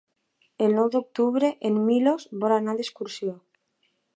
El nou d'octubre en Milos vol anar d'excursió.